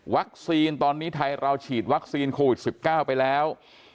ตอนนี้ไทยเราฉีดวัคซีนโควิด๑๙ไปแล้ว